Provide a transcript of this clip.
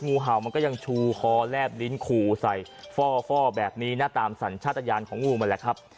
งูเห่ามันก็ยังชูคอแลบลิ้นขู่ใส่ฟ่อแบบนี้นะตามสัญชาติยานของงูมันแหละครับ